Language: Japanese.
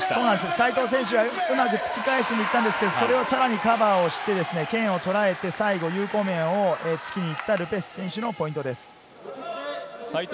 西藤選手がうまく突き返しに行ったんですが、カバーをして剣をとらえて最後、有効面を突きに来た、ル・ペシュ選手のポイントです。